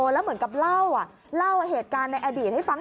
แล้วเหมือนกับเล่าเล่าเหตุการณ์ในอดีตให้ฟัง